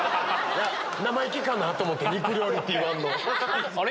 生意気かなと思うて「肉料理」って言わんの。